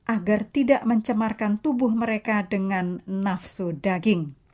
agar tidak mencemarkan tubuh mereka dengan nafsu daging